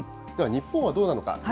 では、日本はどうなのか。